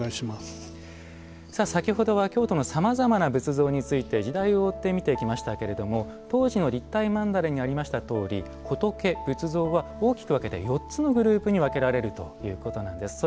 先ほどは京都のさまざまな仏像について時代を追って見ていきましたけれども東寺の立体曼荼羅にありましたとおり仏、仏像は大きく分けて４つのグループに分けられるということなんです。